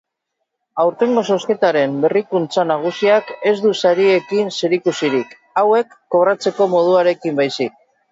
Aurtengo zozketaren berrikuntza nagusiak ez du sariekin zerikusirik, hauek kobratzeko moduarekin baizik.